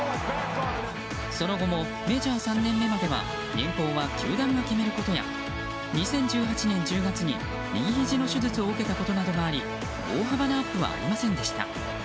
その後もメジャー３年目までは年俸は球団が決めることや２０１８年１０月に右ひじの手術を受けたことなどがあり大幅なアップはありませんでした。